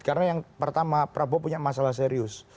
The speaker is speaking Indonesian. karena yang pertama prabowo punya masalah serius